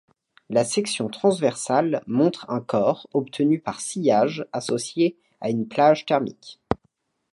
La section transversale montre un corps obtenu par sciage associé à une plage thermique.